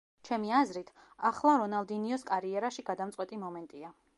ჩემი აზრით, ახლა რონალდინიოს კარიერაში გადამწყვეტი მომენტია.